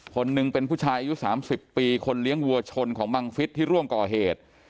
คนหนึ่งเป็นผู้ชายอายุ๓๐ปีคนเลี้ยงวัวชนของบังฟิศที่ร่วมก่อเหตุ